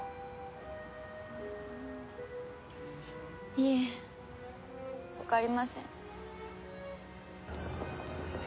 いえわかりません。